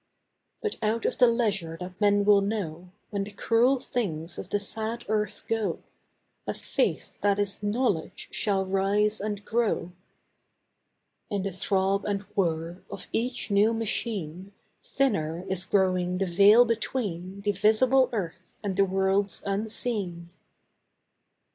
But out of the leisure that men will know, When the cruel things of the sad earth go, A Faith that is Knowledge shall rise and grow. In the throb and whir of each new machine Thinner is growing the veil between The visible earth and the worlds unseen.